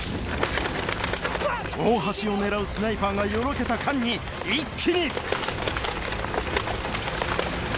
大橋を狙うスナイパーがよろけた間に一気に！